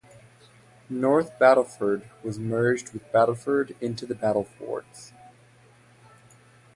North Battleford was merged with Battleford into The Battlefords.